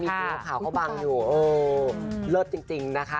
มีตัวขาวเข้าบังอยู่โอ้เลิศจริงนะคะ